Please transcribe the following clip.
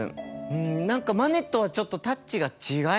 ん何かマネとはちょっとタッチが違いますね。